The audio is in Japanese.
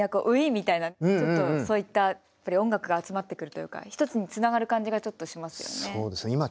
ウィーンみたいなちょっとそういったやっぱり音楽が集まってくるというか一つにつながる感じがちょっとしますよね。